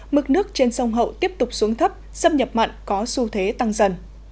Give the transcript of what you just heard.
mực nước trên sông hậu tiếp tục xuống thấp xâm nhập mặn có xu thế tăng dần